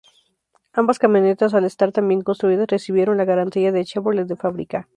Ambas camionetas, al estar tan bien construidas, recibieron la garantía de Chevrolet de fábrica.